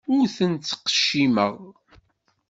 Ur ten-ttqeccimeɣ.